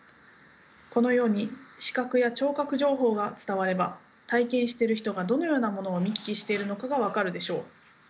このように視覚や聴覚情報が伝われば体験している人がどのようなものを見聞きしているのかが分かるでしょう。